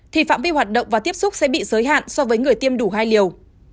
thì phạm vi hoạt động và tiếp xúc sẽ bị giới hạn so với người tiêm đủ hai liều